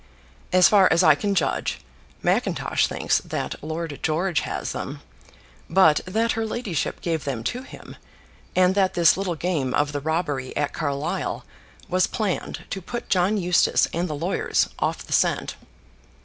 As far as I can judge, Mackintosh thinks that Lord George has them, but that her ladyship gave them to him; and that this little game of the robbery at Carlisle was planned to put John Eustace and the lawyers off the scent.